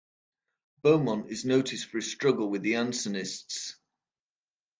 Beaumont is noted for his struggle with the Jansenists.